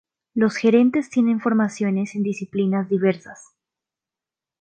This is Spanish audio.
Los gerentes tienen formaciones en disciplinas diversas.